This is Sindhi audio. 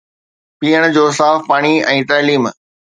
پيئڻ جو صاف پاڻي ۽ تعليم